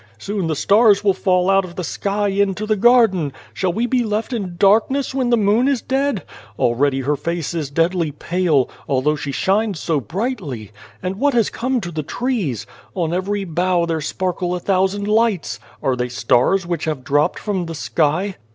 Soon the stars will fall out of the sky into the garden. Shall we be left in darkness when the moon is dead ? Already her face is deadly pale, although she shines so brightly. And what has come to the trees ? On every bough there sparkle a thousand lights. Are they stars which have dropped from the sky